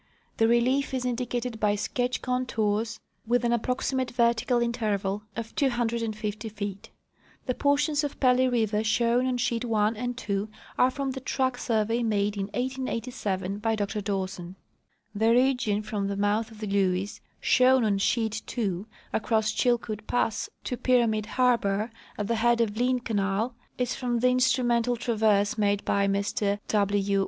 The relief is indicated by sketch contours with an approximate vertical interval of 250 feet. The portions of Pelly river shown on sheets i and ii are from the track survey made in 1887 by Dr Dawson. The region from the mouth of the Lewes, shown on sheet ii, across Chilkootpass to Pyramid harbor, at the head of Lynn canal, is from the in strumental traverse made by Mr W.